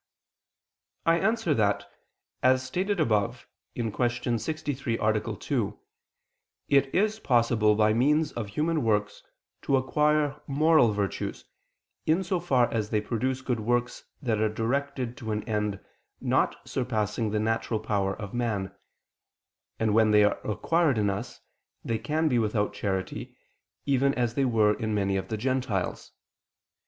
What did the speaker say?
I answer that, As stated above (Q. 63, A. 2), it is possible by means of human works to acquire moral virtues, in so far as they produce good works that are directed to an end not surpassing the natural power of man: and when they are acquired thus, they can be without charity, even as they were in many of the Gentiles.